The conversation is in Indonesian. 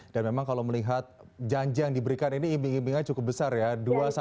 dan memang kalau melihat janji yang diberikan ini imbing imbingnya cukup besar ya